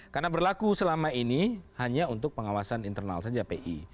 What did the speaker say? karena berlaku selama ini hanya untuk pengawasan internal saja pi